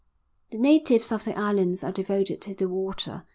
The natives of the islands are devoted to the water.